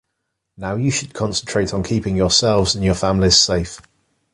Now you should concentrate on keeping yourselves and your families safe.